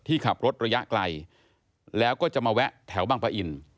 ขับรถระยะไกลแล้วก็จะมาแวะแถวบางปะอิน